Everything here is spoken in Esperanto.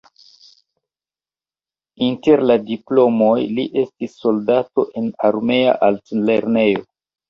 Inter la diplomoj li estis soldato en armea altlernejo.